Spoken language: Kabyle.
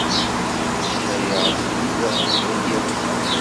Meslayeɣ d Yuba ɣef ayen yeḍran.